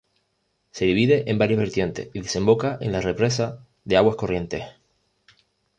Se divide en varias vertientes y desemboca en la Represa de Aguas Corrientes.